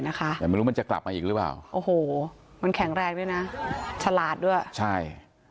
นี่นะคะโอ้โหมันแข็งแรงด้วยนะฉลาดด้วยใช่